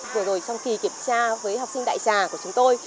vừa rồi trong kỳ kiểm tra với học sinh đại trà của chúng tôi